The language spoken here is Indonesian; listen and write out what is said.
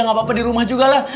gak apa apa di rumah juga lah